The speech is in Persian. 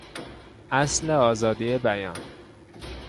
اصل آزادی بیان